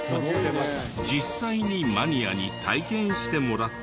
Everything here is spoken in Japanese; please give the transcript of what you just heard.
実際にマニアに体験してもらった。